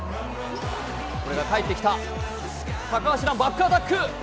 これが帰ってきた高橋のバックアタック。